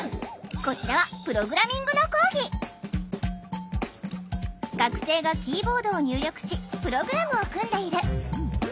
こちらは学生がキーボードを入力しプログラムを組んでいる。